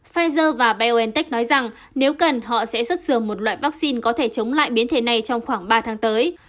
pfizer và biontech nói rằng nếu cần họ sẽ xuất dường một loại vaccine có thể chống lại biến thể này trong khoảng ba tháng tới